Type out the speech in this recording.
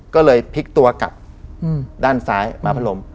ก็เลยพลิกตัวกลับด้านซ้ายมาพัดลม